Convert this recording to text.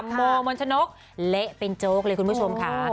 โมมนชนกเละเป็นโจ๊กเลยคุณผู้ชมค่ะ